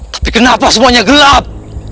tapi kenapa semuanya gelap